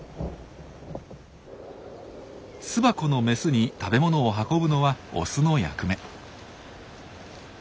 巣箱のメスに食べ物を運ぶのはオスの役目。